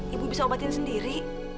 ibu bisa obatin sendiri